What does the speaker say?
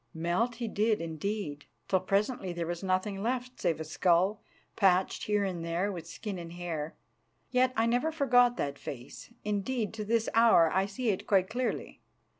Melt he did, indeed, till presently there was nothing left save a skull patched here and there with skin and hair. Yet I never forgot that face; indeed, to this hour I see it quite clearly.